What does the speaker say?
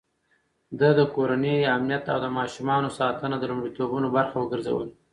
ده د کورنۍ امنيت او د ماشومانو ساتنه د لومړيتوبونو برخه وګرځوله.